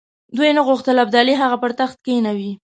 دوی نه غوښتل ابدالي هغه پر تخت کښېنوي.